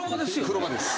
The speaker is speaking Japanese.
風呂場です。